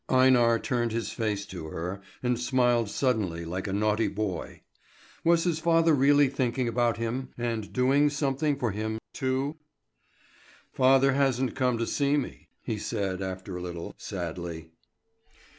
Einar turned his face to her and smiled suddenly like a naughty boy. Was his father really thinking about him and doing something for him too? "Father hasn't come to see me," he said after a little, sadly.